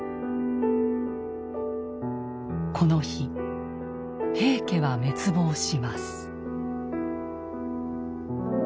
この日平家は滅亡します。